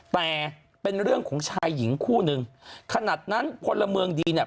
แต่เป็นเรื่องของชายหญิงคู่หนึ่งขนาดนั้นพลเมืองดีเนี่ย